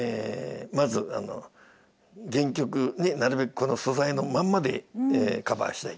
まずあの原曲になるべくこの素材のまんまでカバーしたい。